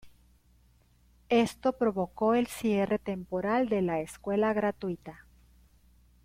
Esto provocó el cierre temporal de la Escuela Gratuita.